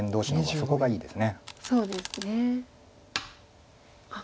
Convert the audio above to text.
そうですね。